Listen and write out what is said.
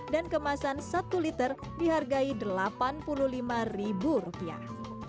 dan kemasan satu liter dihargai delapan puluh lima ribu rupiah